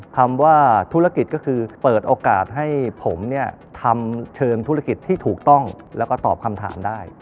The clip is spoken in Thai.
คำว่าธุรกิจก็คือเปิดโอกาสให้ผมเนี่ยทำเชิงธุรกิจที่ถูกต้องแล้วก็ตอบคำถามได้